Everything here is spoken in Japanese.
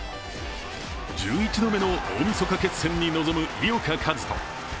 １１度目の大みそか決戦に臨む井岡一翔。